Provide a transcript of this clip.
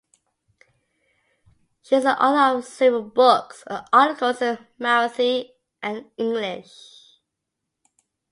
She is an author of several books and articles in Marathi and English.